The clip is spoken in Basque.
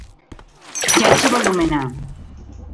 Jaitsi bolumena.